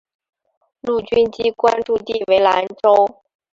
陆军机关驻地为兰州。